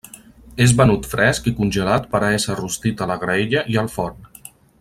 És venut fresc i congelat per a ésser rostit a la graella i al forn.